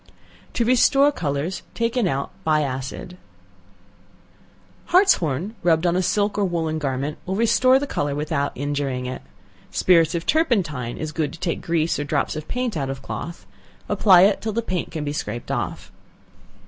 To Restore Colors taken out by Acid, &c. Hartshorn rubbed on a silk or woollen garment will restore the color without injuring it. Spirits of turpentine is good to take grease or drops of paint out of cloth; apply it till the paint can be scraped off.